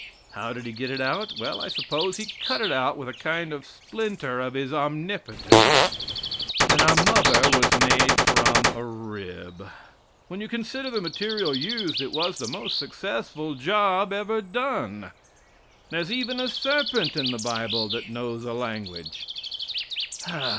How did He get it out? Well, I suppose He cut it out with a kind of a splinter of His omnipotence! Then our mother was made from a rib. When you consider the material used it was the most successful job ever done. There's even a serpent in the bible that knows a language.